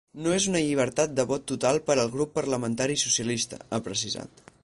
“No és una llibertat de vot total per al grup parlamentari socialista”, ha precisat.